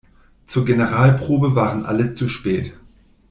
Zur Generalprobe waren alle zu spät.